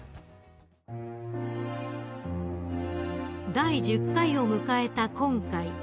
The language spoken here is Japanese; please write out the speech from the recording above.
［第１０回を迎えた今回］